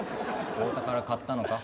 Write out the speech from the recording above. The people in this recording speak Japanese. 大田から買ったのか？